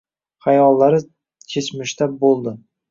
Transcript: Xayollari kechmishda bo‘ldi...